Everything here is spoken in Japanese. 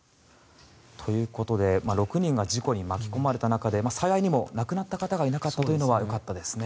ということで６人が事故に巻き込まれた中で幸いにも亡くなった方がいなかったというのはよかったですね。